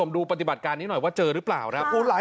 ดูปฏิบัติการนี้หน่อยว่าเจอหรือเปล่าครับ